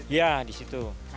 ya di situ